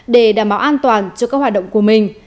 để đảm bảo an toàn cho các hoạt động của mình